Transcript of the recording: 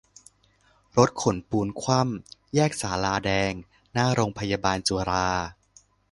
รถขนปูนคว่ำ แยกศาลาแดง หน้าโรงพยาบาลจุฬา